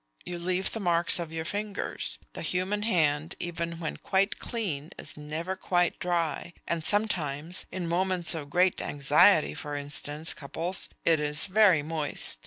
You leave the marks of your fingers. The human hand, even when quite clean, is never quite dry, and sometimes in moments of great anxiety, for instance, Cupples it is very moist.